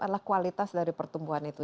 adalah kualitas dari pertumbuhan itu